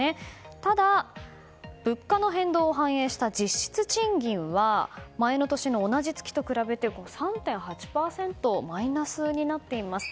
ただ、物価の変動を反映した実質賃金は前の年の同じ月と比べて３．８％マイナスになっています。